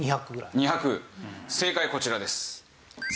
正解こちらです。